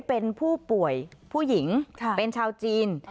เป็นผู้ป่วยผู้หญิงเป็นชาวจีน